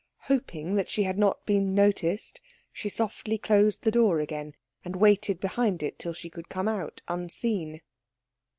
Hoping that she had not been noticed she softly closed the door again and waited behind it till she could come out unseen.